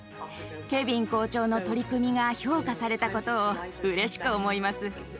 ケヴィン校長の取り組みが評価されたことをうれしく思います。